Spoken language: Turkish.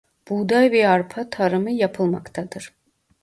Buğday ve arpa tarımı yapılmaktadır.